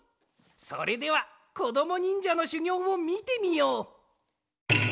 それではこどもにんじゃのしゅぎょうをみてみよう。